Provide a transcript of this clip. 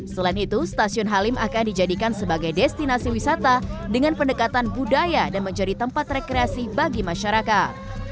selain itu stasiun halim akan dijadikan sebagai destinasi wisata dengan pendekatan budaya dan menjadi tempat rekreasi bagi masyarakat